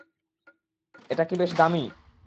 এটা কি বেশ দামী?